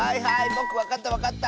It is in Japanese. ぼくわかったわかった！